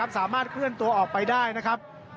สามารถเคลื่อนตัวออกไปได้นะครับ